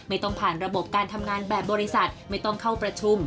ไม่ต้องผ่านระบบการทำงานแบบบริษัทไม่ต้องเข้าประชุม